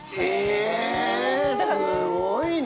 すごいね。